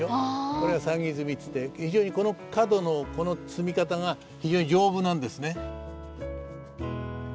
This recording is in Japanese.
これが算木積みっていって非常にこの角のこの積み方が非常に丈夫なんですね。